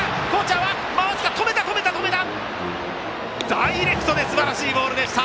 ダイレクトですばらしいボール！